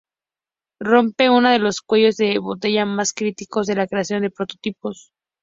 Rompe una de los cuellos de botella más críticos de la creación de prototipos.